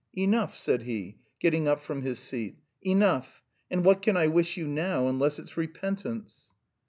"Enough!" said he, getting up from his seat. "Enough! And what can I wish you now, unless it's repentance?"